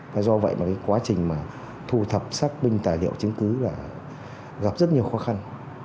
và do vậy mà cái quá trình mà thu thập xác binh tài liệu chứng cứ là gặp rất nhiều khó khăn